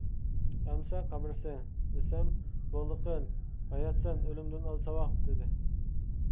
«ئەمىسە قەبرىسى. » دېسەم «بولدى قىل، ھاياتسەن، ئۆلۈمدىن ئال ساۋاق» دېدى.